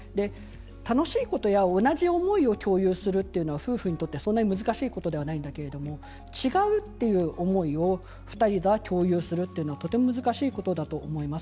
楽しいことや同じ思いを共有するのは夫婦にとってそんなに難しいことではないんだけれど違うという思いを２人が共有するのはとても難しいことだと思います。